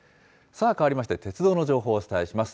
さあ、変わりまして鉄道の情報をお伝えします。